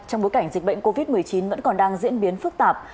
trong bối cảnh dịch bệnh covid một mươi chín vẫn còn đang diễn biến phức tạp